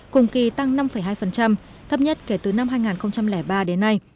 cùng kỳ tăng năm hai thấp nhất kể từ năm hai nghìn ba đến nay